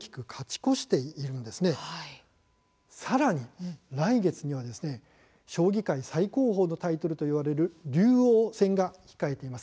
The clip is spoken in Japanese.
そしてさらに来月は将棋界最高峰のタイトルといわれる竜王戦が控えています。